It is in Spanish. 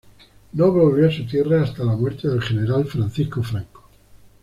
No volvió a su tierra hasta la muerte del general Francisco Franco.